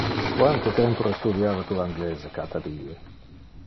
Quante tempore studiava tu anglese cata die?